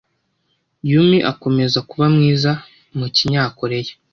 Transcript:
Yumi akomeza kuba mwiza mu kinyakoreya.